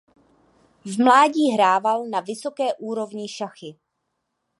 V mládí hrával na vysoké úrovni šachy.